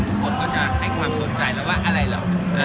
ทุกคนก็จะให้ความสนใจแล้วว่าอะไรเหรอ